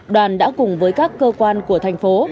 đoàn đã cùng với các cơ quan của thành phố